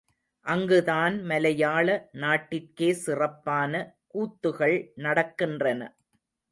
அங்குதான் மலையாள நாட்டிற்கே சிறப்பான கூத்துகள் நடக்கின்றன.